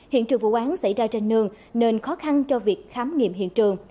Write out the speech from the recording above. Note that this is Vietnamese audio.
hiện trường vụ án xảy ra trên nương nên khó khăn cho việc khám nghiệm hiện trường